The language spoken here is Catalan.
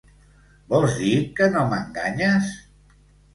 Vols dir que no m'enganyes?